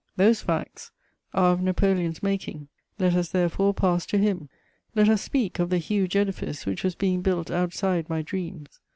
Those facts are of Napoleon's making. Let us therefore pass to him; let us speak of the huge edifice which was being built outside my dreams.